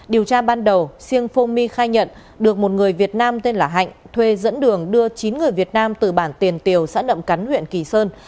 điều tra ban đầu siêng phong my khai nhận được một người việt nam tên là hạnh thuê dẫn đường đưa chín người việt nam từ bản tiền tiều xã nậm cắn huyện kỳ sơn